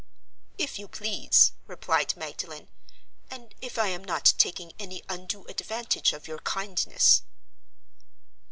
"If you please," replied Magdalen; "and if I am not taking any undue advantage of your kindness."